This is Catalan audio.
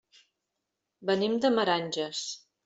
Venim de Meranges.